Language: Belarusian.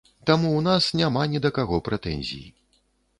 Таму ў нас няма ні да кога прэтэнзій.